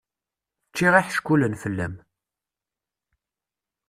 Ččiɣ iḥeckulen fell-am.